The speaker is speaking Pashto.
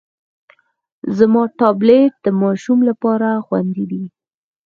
زما ټابلیټ د ماشوم لپاره خوندي دی.